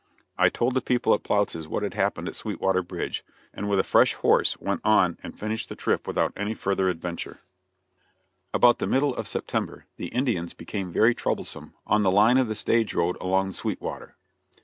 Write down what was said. I told the people at Ploutz's what had happened at Sweetwater Bridge, and with a fresh horse went on and finished the trip without any further adventure. [Illustration: ATTACK ON STAGE COACH.] About the middle of September the Indians became very troublesome on the line of the stage road along the Sweetwater.